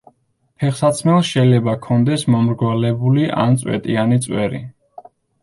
ფეხსაცმელს შეიძლება ჰქონდეს მომრგვალებული ან წვეტიანი წვერი.